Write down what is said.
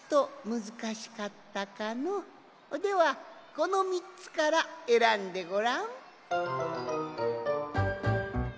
このみっつからえらんでごらん。